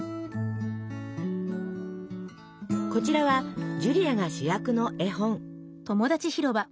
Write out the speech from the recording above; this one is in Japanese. こちらはジュリアが主役の絵本。